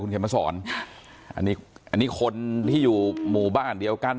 เข็มมาสอนอันนี้อันนี้คนที่อยู่หมู่บ้านเดียวกัน